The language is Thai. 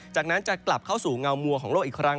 จากนั้นจะกลับเข้าสู่เงามัวของโลกอีกครั้ง